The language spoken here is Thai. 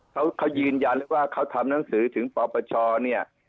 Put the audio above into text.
เขายืนยันเลยว่าเขาทำหนังสือถึงปปชเนี่ย